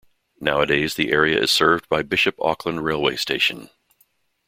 Nowadays the area is served by Bishop Auckland railway station.